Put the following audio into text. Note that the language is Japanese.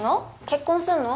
結婚するの？